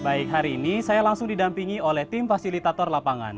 baik hari ini saya langsung didampingi oleh tim fasilitator lapangan